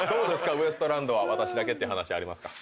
ウエストランドは私だけ？って話ありますか？